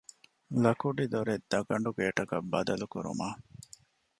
ލަކުޑިދޮރެއް ދަގަނޑުގޭޓަކަށް ބަދަލުކުރުމަށް